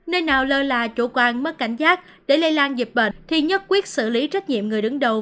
nơi nào lơ là chủ quan mất cảnh giác để lây lan dịch bệnh thì nhất quyết xử lý trách nhiệm người đứng đầu